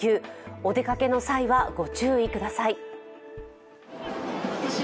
お出かけの際はご注意ください。